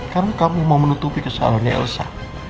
karena kamu mau menutupi kesalahan elsa